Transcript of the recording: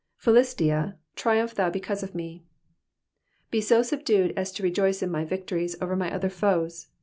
^'•PhUisiic^ triumph thou because of me^ Be so subdued as to rejoice in my victories over my other foes.